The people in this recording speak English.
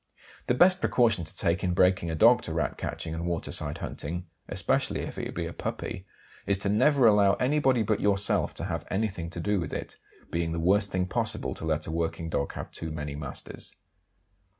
The best precaution to take in breaking a dog to Rat catching and waterside hunting (especially if it be a puppy) is to never allow anybody but yourself to have anything to do with it, it being the worst thing possible to let a working dog have too many masters.